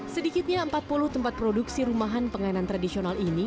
sedikitnya empat puluh tempat produksi rumahan pengainan tradisional ini